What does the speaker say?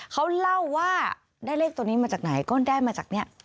เขาเล่าว่าได้เลขตัวนี้มาจากไหนก็ได้มาจากนี้